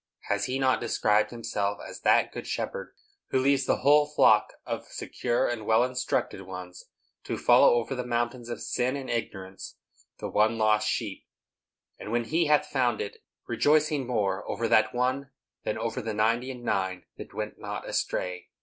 Has He not described himself as that good Shepherd who leaves the whole flock of secure and well instructed ones, to follow over the mountains of sin and ignorance the one lost sheep; and, when He hath found it, rejoicing more over that one than over the ninety and nine that went not astray?